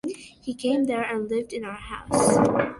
He came there and lived in our house.